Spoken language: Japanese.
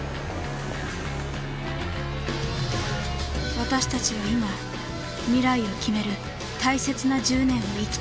私たちは今未来を決める大切な１０年を生きている。